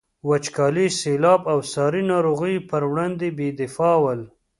د وچکالي، سیلاب او ساري ناروغیو پر وړاندې بې دفاع ول.